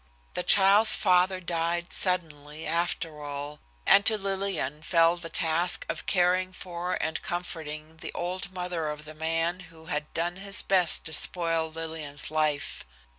The child's father died suddenly, after all, and to Lillian fell the task of caring for and comforting the old mother of the man who had done his best to spoil Lillian's life.